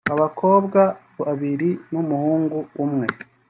abakobwa babiri n’umuhungu umwe